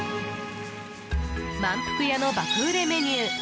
まんぷくやの爆売れメニュー